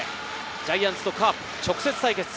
ジャイアンツとカープ直接対決。